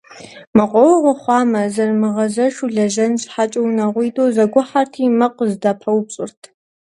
Мэкъуауэгъуэ хъуамэ, зэрымыгъэзэшу лэжьэн щхьэкӀэ унагъуитӀу зэгухьэрти, мэкъу зэдыпаупщӀырт.